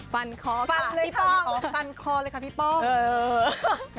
ฟันคอห์ค่ะเะยบี๊ต้องออกฟันครอห์เลยค่ะพี่ป้อง